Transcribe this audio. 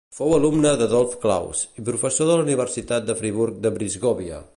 Fou alumne d'Adolf Claus i professor de la Universitat de Friburg de Brisgòvia.